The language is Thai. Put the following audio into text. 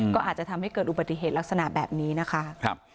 ก็อาจจะทำให้เกิดอุบัติเหตุลักษณะแบบนี้นะคะ